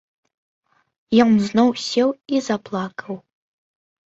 Ён зноў сеў і заплакаў.